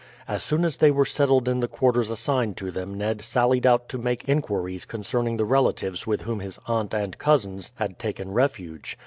As soon as they were settled in the quarters assigned to them Ned sallied out to make inquiries concerning the relatives with whom his aunt and cousins had taken refuge.